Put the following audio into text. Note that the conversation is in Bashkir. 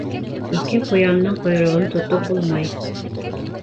Ике ҡуяндың ҡойроғон тотоп булмай.